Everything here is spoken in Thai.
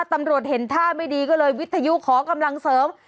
ตำรวจเห็นท่าไม่ดีก็เลยวิทยุขอกำลังเสริม